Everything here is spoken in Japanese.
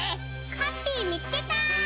ハッピーみつけた！